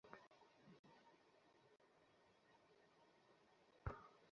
যে আবার আসল কোনো সামুরাই ও না।